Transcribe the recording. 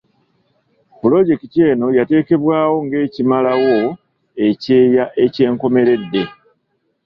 Pulojekiti eno yateekebwawo ng'ekimalawo ekyeya eky'enkomeredde.